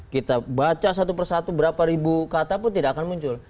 kita baca satu persatu berapa ribu kata pun tidak akan muncul